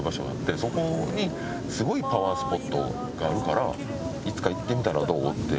そこにすごいパワースポットがあるからいつか行ってみたらどう？って教えてもらったんですね。